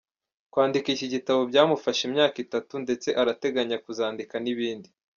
Kwandika iki gitabo byamufashe imyaka itatu ndetse arateganya kuzandika n'ibindi.